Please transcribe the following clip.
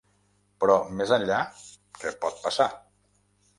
Però més enllà, què pot passar?